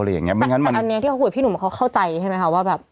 อันนี้ที่เขาคุยกับพี่หนุ่มเขาเข้าใจใช่ไหมคะว่าแบบ